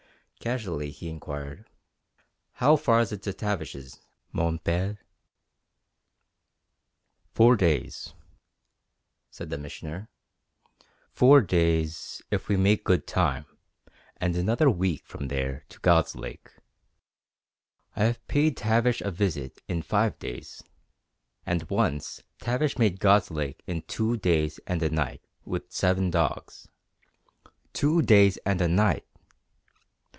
Casually he inquired: "How far is it to Tavish's, mon Père?" "Four days," said the Missioner. "Four days, if we make good time, and another week from there to God's Lake. I have paid Tavish a visit in five days, and once Tavish made God's Lake in two days and a night with seven dogs. Two days and a night!